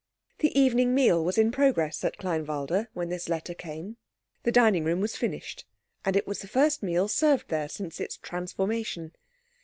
The evening meal was in progress at Kleinwalde when this letter came. The dining room was finished, and it was the first meal served there since its transformation.